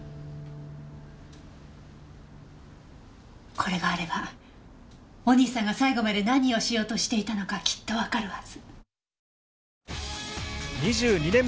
これがあればお兄さんが最後まで何をしようとしていたのかきっとわかるはず。